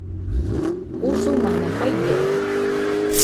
Usumana faidode